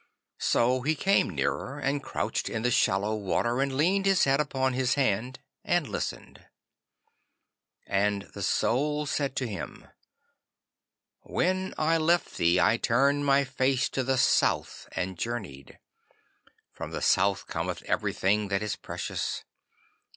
So he came nearer, and couched in the shallow water, and leaned his head upon his hand and listened. And the Soul said to him, 'When I left thee, I turned my face to the South and journeyed. From the South cometh everything that is precious.